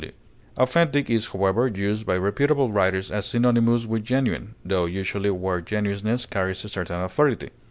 W.] Authentic is, however, used by reputable writers as synonymous with genuine, tho usually where genuineness carries a certain authority.